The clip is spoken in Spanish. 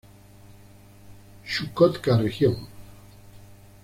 Chukotka Region